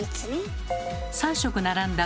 ３色並んだ